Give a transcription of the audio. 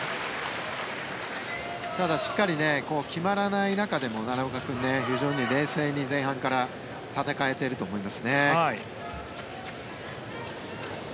ただ、しっかり決まらない中でも奈良岡君、非常に冷静に前半から戦えていると思いますね。